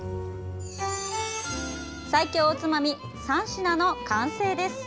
最強おつまみ３品の完成です！